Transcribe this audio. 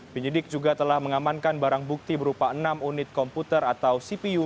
penyidik juga telah mengamankan barang bukti berupa enam unit komputer atau cpu